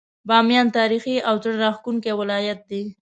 باميان تاريخي او زړه راښکونکی ولايت دی.